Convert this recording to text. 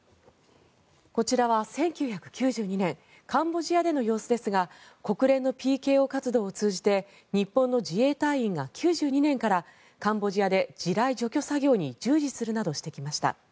こちらは１９９２年カンボジアでの様子ですが国連のＰＫＯ活動を通じて日本の自衛隊員が９２年からカンボジアで地雷除去作業などに従事するなどしてきました。